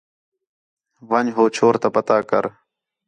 ون٘٘ڄ ہو چھور تا پتہ کر